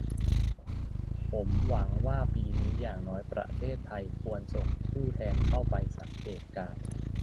ผมหวังว่าปีนี้อย่างน้อยประเทศไทยควรส่งผู้แทนเข้าไปสังเกตุการณ์